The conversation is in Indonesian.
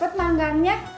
kok cepet langganya